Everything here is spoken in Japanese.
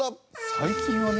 「最近はね」？